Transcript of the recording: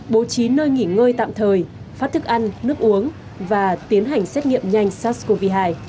bố trí nơi nghỉ ngơi tạm thời phát thức ăn nước uống và tiến hành xét nghiệm nhanh sars cov hai